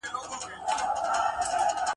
چي په خوب کي او په ویښه مي لیدله !.